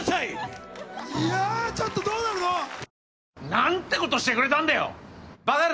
・何てことしてくれたんだよ！